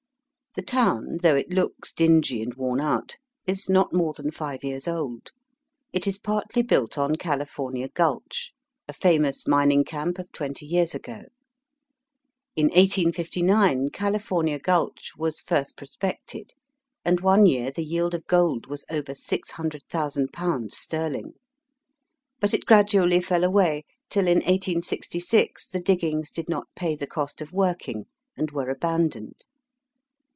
The town, though it looks dingy and worn out, is not more than five years old. It is partly built on CaHfornia Gulch, a famous mining camp of twenty years ago. In 1859 California Gulch was first prospected, and one year the yield of gold was over ^6600,000 sterUng. But it gradually fell away, till in 1866 the diggings did not pay the cost of working, and were abandoned.